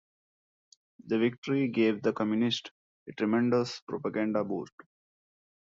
The victory gave the Communists a tremendous propaganda boost.